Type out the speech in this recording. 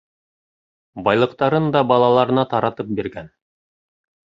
Байлыҡтарын да балаларына таратып биргән.